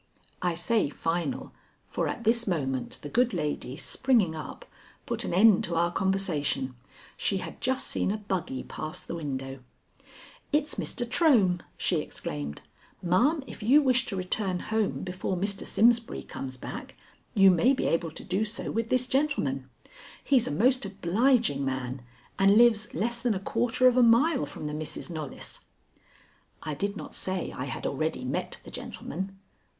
I say final, for at this moment the good lady, springing up, put an end to our conversation. She had just seen a buggy pass the window. "It's Mr. Trohm," she exclaimed. "Ma'am, if you wish to return home before Mr. Simsbury comes back you may be able to do so with this gentleman. He's a most obliging man, and lives less than a quarter of a mile from the Misses Knollys." I did not say I had already met the gentleman.